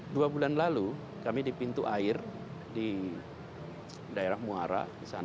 dua bulan lalu kami di pintu air di daerah muara